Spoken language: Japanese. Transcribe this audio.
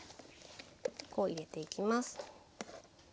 ここへ入れていきます。